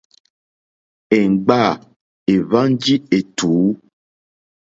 Èmgbâ èhwánjì ètùú.